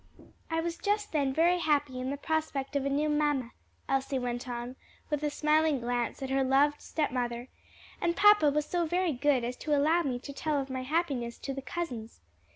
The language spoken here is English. "I was just then very happy in the prospect of a new mamma," Elsie went on, with a smiling glance at her loved stepmother, "and papa was so very good as to allow me to tell of my happiness to the cousins.